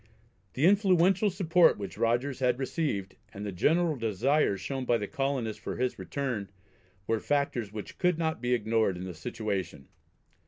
The influential support which Rogers had received, and the general desire shown by the colonists for his return, were factors which could not be ignored in the situation.